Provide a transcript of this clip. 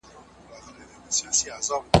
زه هره ورځ واښه راوړم؟!